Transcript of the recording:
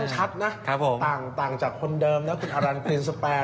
ชัดนะต่างจากคนเดิมนะคุณอรันครีนสแปร